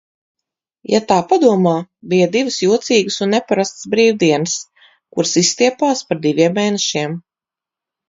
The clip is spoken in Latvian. Ja tā padomā, bija divas jocīgas un neparastas brīvdienas, kuras izstiepās par diviem mēnešiem.